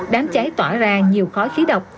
đám cháy tỏa ra nhiều khói khí độc